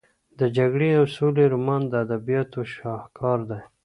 د جګړې او سولې رومان د ادبیاتو شاهکار دی.